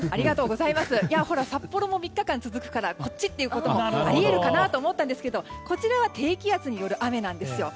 札幌も３日間続くからこっちっていうこともあり得るかなと思ったんですけどこちらは低気圧による雨なんですよ。